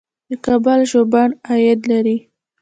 د کابل ژوبڼ عاید لري